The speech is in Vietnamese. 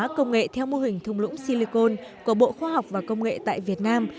nền hóa công nghệ theo mô hình thung lũng silicon của bộ khoa học và công nghệ tại việt nam